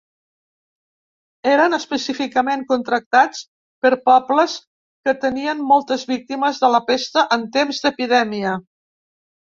Eren específicament contractats per pobles que tenien moltes víctimes de la pesta en temps d'epidèmia.